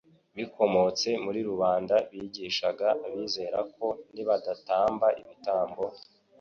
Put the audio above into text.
bikomotse muri rubanda. Bigishaga abizera ko nibadatamba ibitambo,